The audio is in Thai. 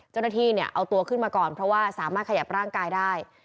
เจ้าหน้าที่เนี่ยเอาตัวขึ้นมาก่อนเพราะว่าสามารถขยับร่างกายได้